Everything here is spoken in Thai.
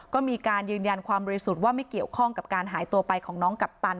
ก็มีการยืนยันความบริสุทธิ์ว่าไม่เกี่ยวข้องกับการหายตัวไปของน้องกัปตัน